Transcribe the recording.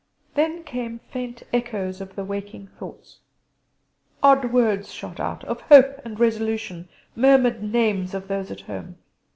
Then came faint echoes of the waking thoughts odd words shot out, of hope and resolution; murmured names of those at home.